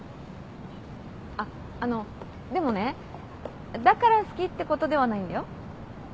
あっあのでもねだから好きってことではないんだよ。